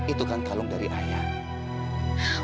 itu kan kalung dari ayah